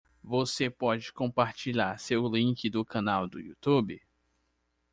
Você pode compartilhar seu link do canal do Youtube?